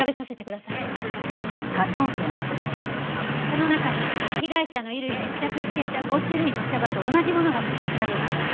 この中に被害者の衣類に付着していた５種類の茶葉と同じものがないか調べます。